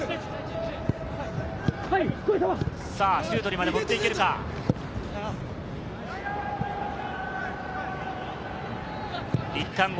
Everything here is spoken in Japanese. シュートにまで持っていけるか。